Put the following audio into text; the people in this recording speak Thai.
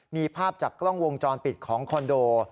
มีภาพจากกล้องวงจรปิดของคอนโด